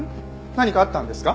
何かあったんですか？